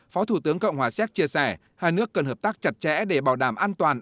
phó thủ tướng cộng hòa séc chia sẻ hai nước cần hợp tác chặt chẽ để bảo đảm an toàn